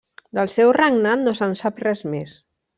Del seu regnat no se'n sap res més.